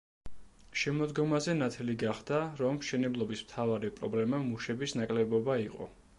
შემოდგომაზე ნათელი გახდა, რომ მშენებლობის მთავარი პრობლემა მუშების ნაკლებობა იყო.